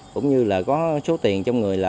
cũng như là có số tiền trong người